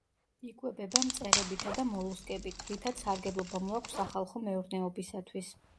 იკვებება მწერებითა და მოლუსკებით, რითაც სარგებლობა მოაქვს სახალხო მეურნეობისათვის.